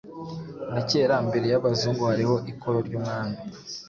Na kera mbere y'Abazungu hariho ikoro ry'umwami.